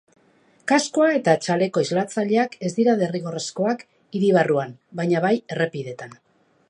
Kaskoa eta txaleko islatzaileak ez dira derrigorrezkoak hiri barruan, baina bai errepidetan.